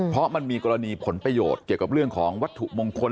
เพราะมันมีกรณีผลประโยชน์เกี่ยวกับเรื่องของวัตถุมงคล